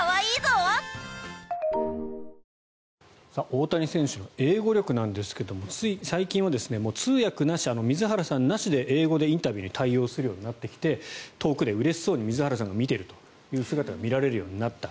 大谷選手の英語力なんですがつい最近は通訳なし水原さんなしで英語でインタビューに対応するようになってきて遠くでうれしそうに水原さんが見ているという姿が見られるようになった。